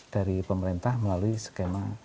dari pemerintah melalui skema